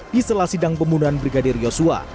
di selasidang pembunuhan brigadir yosua